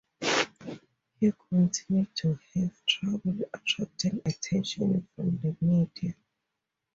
He continued to have trouble attracting attention from the media.